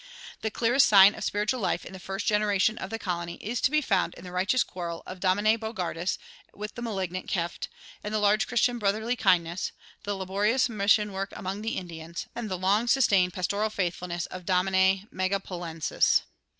The clearest sign of spiritual life in the first generation of the colony is to be found in the righteous quarrel of Domine Bogardus with the malignant Kieft, and the large Christian brotherly kindness, the laborious mission work among the Indians, and the long sustained pastoral faithfulness of Domine Megapolensis.